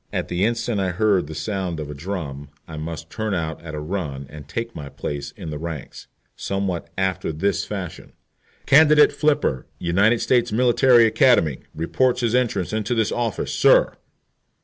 * At the instant I heard the sound of a drum I must turn out at a run and take my place in the ranks. *Somewhat after this fashion: "Candidate F , United States Military Academy, reports his entrance into this office, sir."